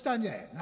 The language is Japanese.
何？